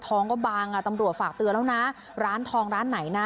ทองก็บางอ่ะตำรวจฝากเตือนแล้วนะร้านทองร้านไหนนะ